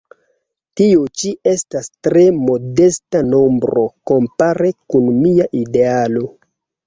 Tio ĉi estas tre modesta nombro kompare kun mia idealo.